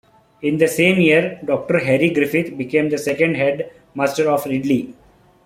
In the same year, Doctor Harry Griffith became the second headmaster of Ridley.